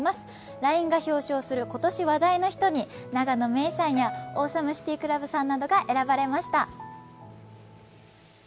ＬＩＮＥが表彰する今年話題の人に永野芽郁さんやＡｗｅｓｏｍｅＣｉｔｙＣｌｕｂさんなどが選ばれました。